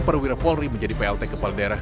perwira polri menjadi plt kepala daerah